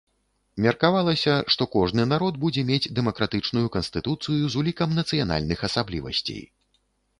Меркавалася, што кожны народ будзе мець дэмакратычную канстытуцыю з улікам нацыянальных асаблівасцей.